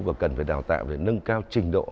và cần phải đào tạo về nâng cao trình độ